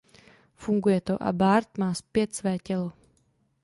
Funguje to a Bart má zpět své tělo.